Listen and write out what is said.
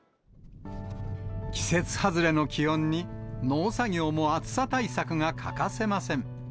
季節外れの気温に、農作業も暑さ対策が欠かせません。